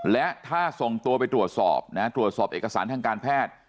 และถ้าส่งตัวไปตรวจสอบตรวจสอบเอกสารทางการแพทย์